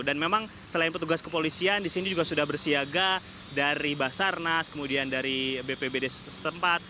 dan memang selain petugas kepolisian di sini juga sudah bersiaga dari basarnas kemudian dari bpbd setempat